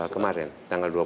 kemarin tanggal dua puluh